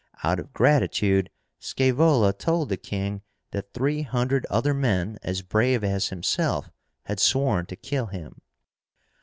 Out of gratitude, Scaevola told the king that three hundred other men as brave as himself had sworn to kill him.